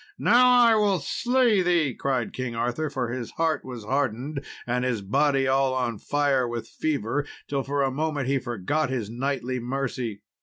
"Now will I slay thee!" cried King Arthur; for his heart was hardened, and his body all on fire with fever, till for a moment he forgot his knightly mercy.